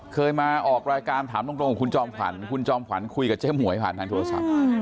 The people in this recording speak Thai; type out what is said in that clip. เคยมาออกรายการถามตรงกับคุณจอมขวัญคุณจอมขวัญคุยกับเจ๊หวยผ่านทางโทรศัพท์